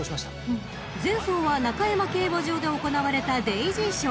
［前走は中山競馬場で行われたデイジー賞］